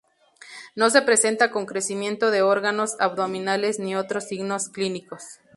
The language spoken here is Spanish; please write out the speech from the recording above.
No se presenta con crecimiento de órganos abdominales ni otros signos clínicos.